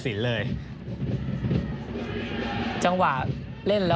ส่วนที่สุดท้ายส่วนที่สุดท้าย